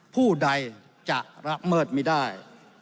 ผู้ใดจะละเมิดไม่ได้